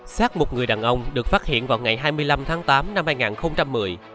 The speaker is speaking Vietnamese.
sát một người đàn ông được phát hiện vào ngày hai mươi năm tháng tám năm hai nghìn một mươi